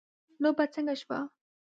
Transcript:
لوبه څنګه شوه